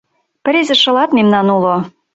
— Презе шылат мемнан уло.